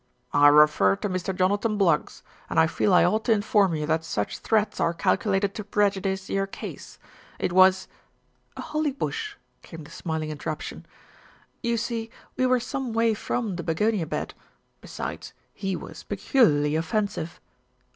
"I refer to Mr. Jonathan Bluggs, and I feel I ought to inform you that such threats are calculated to preju dice your case. It was " "A holly bush," came the smiling interruption. "You see, we were some way from the begonia bed; besides, he was peculiarly offensive."